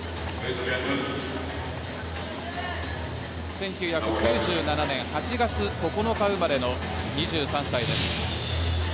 １９９７年８月９日生まれの２３歳です。